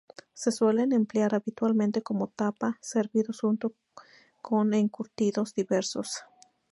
Se suelen emplear habitualmente como tapa, servidos junto con encurtidos diversos.